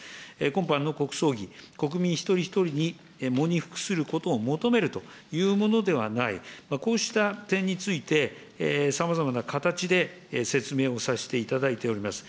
今般の国葬儀、国民一人一人に喪に服することを求めるというものではない、こうした点について、さまざまな形で説明をさせていただいております。